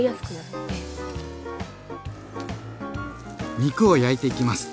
肉を焼いていきます。